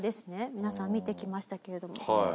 皆さん見てきましたけれども。